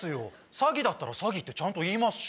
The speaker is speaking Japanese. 詐欺だったら詐欺ってちゃんと言いますし。